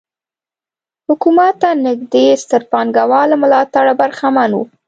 حکومت ته نږدې ستر پانګوال له ملاتړه برخمن وو.